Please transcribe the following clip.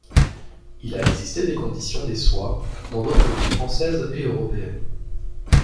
Il a existé des conditions des soies dans d'autres villes françaises et européennes.